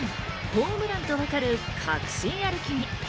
ホームランとわかる確信歩きに。